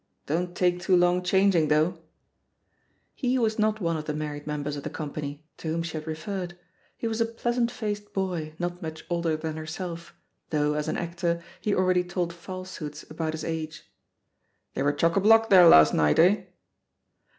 Don't take too long chang ing, though I" He was not one of the married members of the company to whom she had re ferred; he was a pleasant faced boy not much older than herself, though, as an actor, he already told falsehoods about his age. "They were chock a block there last night, eh?"